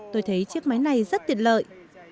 tôi thấy chiếc máy này rất tiện lợi